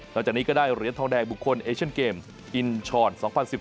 หลังจากนี้ก็ได้เหรียญทองแดงบุคคลเอเชนเกมอินชร๒๐๑๘